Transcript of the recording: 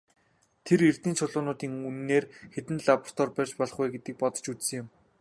Тэр эрдэнийн чулуунуудын үнээр хэдэн лаборатори барьж болох вэ гэдгийг бодож үзсэн юм.